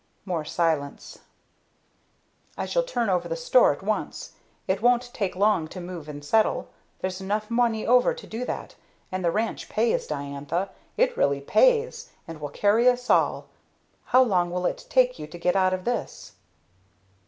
More silence. "I shall turn over the store at once. It won't take long to move and settle; there's enough money over to do that. And the ranch pays, Diantha! It really pays, and will carry us all. How long will it take you to get out of this?"